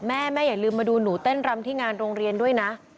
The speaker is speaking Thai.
แม่แม่อย่าลืมมาดูหนูเต้นรำที่งานโรงเรียนด้วยนะ